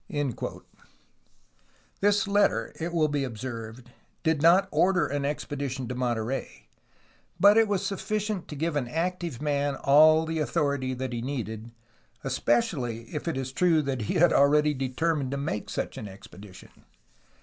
'* This letter, it will be observed, did not order an expedition to Monterey, but it was sufficient to give an active man all the authority that he needed, especially if it is true that he had already determined to make such an expedition.